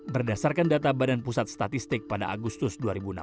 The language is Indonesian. berdasarkan data badan pusat statistik pada agustus dua ribu enam belas